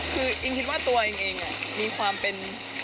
คืออิงคิดว่าตัวเองมีความเป็น